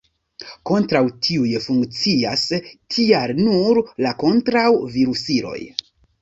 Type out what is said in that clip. Kontraŭ tiuj funkcias tial nur la kontraŭ-virusiloj.